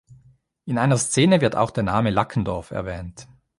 In einer Szene wird auch der Name Lackendorf erwähnt.